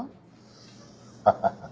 ハハハ。